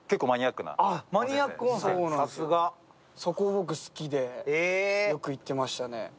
そこを僕好きで、よく行ってましたね。